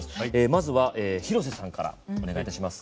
まずは広瀬さんからお願いいたします。